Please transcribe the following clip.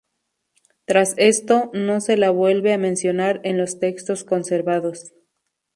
Tras esto, no se la vuelve a mencionar en los textos conservados.